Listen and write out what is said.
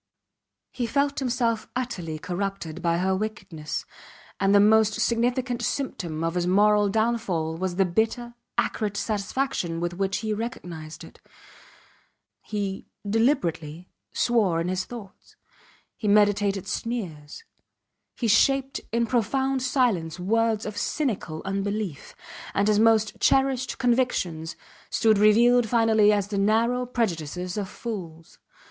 He felt himself utterly corrupted by her wickedness, and the most significant symptom of his moral downfall was the bitter, acrid satisfaction with which he recognized it. He, deliberately, swore in his thoughts; he meditated sneers; he shaped in profound silence words of cynical unbelief, and his most cherished convictions stood revealed finally as the narrow prejudices of fools.